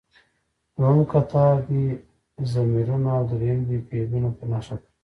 دویم کتار دې ضمیرونه او دریم دې فعلونه په نښه کړي.